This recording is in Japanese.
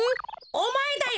おまえだよ！